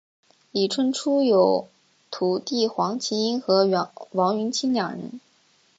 李春初有徒弟黄麒英和王云清两人。